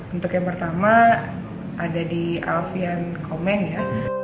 untuk yang pertama ada di alfian komen ya